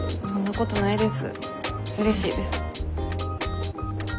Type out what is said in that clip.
うれしいです。